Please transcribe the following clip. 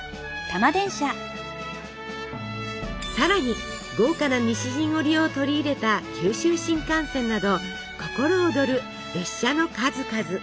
さらに豪華な西陣織を取り入れた九州新幹線など心躍る列車の数々。